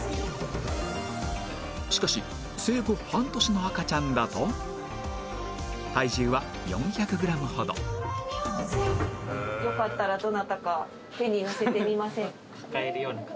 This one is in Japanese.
しかし生後半年の赤ちゃんだと体重は４００グラムほどよかったらどなたか抱えるように。